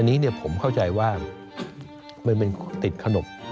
อันนี้เนี่ยผมเข้าใจว่ามันมันติดขนบ